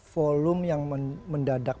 volume yang mendadak